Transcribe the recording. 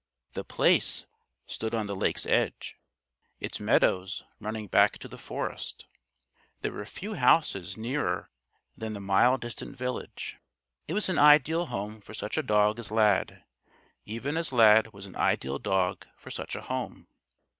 The Place stood on the lake's edge, its meadows running back to the forest. There were few houses nearer than the mile distant village. It was an ideal home for such a dog as Lad, even as Lad was an ideal dog for such a home.